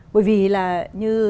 bởi vì là như